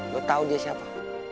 gue tau dia siapa